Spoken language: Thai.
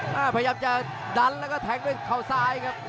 พยายามจะดันแล้วก็แทงด้วยเขาซ้ายครับ